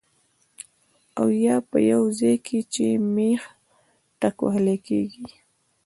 او يا پۀ يو ځائے کې چې مېخ ټکوهلی کيږي